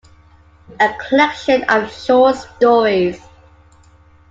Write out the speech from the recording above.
A collection of short stories.